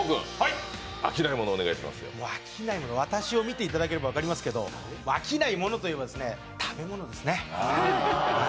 私を見ていただければ分かりますけど飽きないものといえば、食べ物ですね。